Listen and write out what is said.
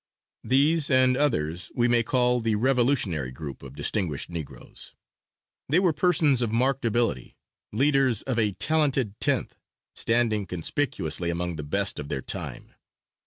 These and others we may call the Revolutionary group of distinguished Negroes they were persons of marked ability, leaders of a Talented Tenth, standing conspicuously among the best of their time.